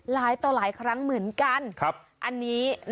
หลายต่อหลายครั้งเหมือนกันอันนี้